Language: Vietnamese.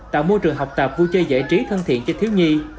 tạo môi trường học tập vui chơi giải trí thân thiện cho thiếu nhi